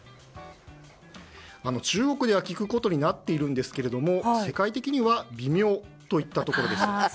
中国では効くことになっているんですが世界的には微妙といったところです。